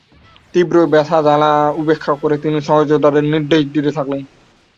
তীব্র ব্যথা-জ্বালা উপেক্ষা করে তিনি সহযোদ্ধাদের নির্দেশ দিতে থাকলেন।